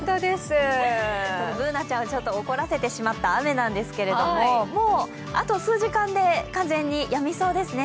Ｂｏｏｎａちゃんを怒らせてしまった雨なんですけれども、もう、あと数時間で完全にやみそうですね。